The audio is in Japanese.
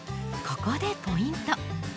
ここでポイント。